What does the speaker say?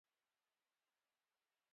آیا د افغانستان خلک له صفویانو څخه راضي وو؟